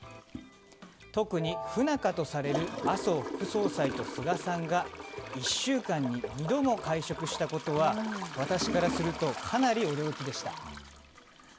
特に不仲とされる麻生副総裁と菅さんが１週間に２度も会食したことは私からするとかなり驚きでした。